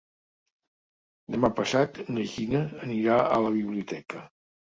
Demà passat na Gina anirà a la biblioteca.